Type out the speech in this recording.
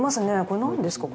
これ何ですか？